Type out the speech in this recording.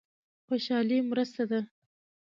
خوشالي مرسته ده.